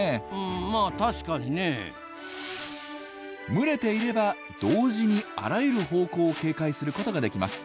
まあ確かにねぇ。群れていれば同時にあらゆる方向を警戒することができます。